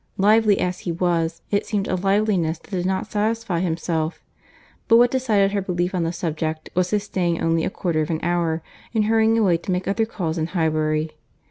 Lively as he was, it seemed a liveliness that did not satisfy himself; but what decided her belief on the subject, was his staying only a quarter of an hour, and hurrying away to make other calls in Highbury.